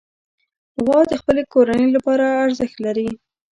غوا د خپلې کورنۍ لپاره ارزښت لري.